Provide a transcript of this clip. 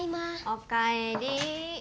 おかえり。